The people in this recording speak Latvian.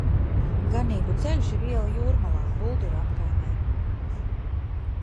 Ganību ceļš ir iela Jūrmalā, Bulduru apkaimē.